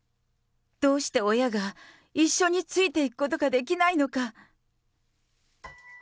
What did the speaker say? どうして親が一緒についていくことができないのか。